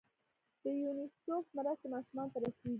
د یونیسف مرستې ماشومانو ته رسیږي؟